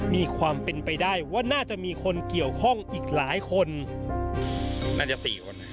มีความเป็นไปได้ว่าน่าจะมีคนเกี่ยวข้องอีกหลายคนน่าจะสี่คน